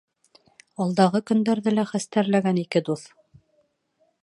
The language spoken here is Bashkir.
Алдағы көндәрҙе лә хәстәрләгән ике дуҫ.